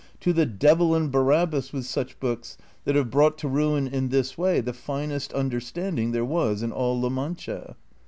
To the devil and Barabbas with such books, that have broiight to ruin in this way the finest understanding there was in all La Mancha